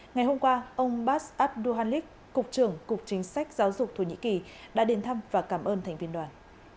ngày hôm qua ông bas abd duhanich cục trưởng cục chính sách giáo dục thổ nhĩ kỳ đã đến thăm và cảm ơn thành viên đoàn